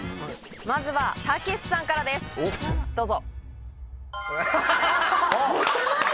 まずはたけしさんからですどうぞ。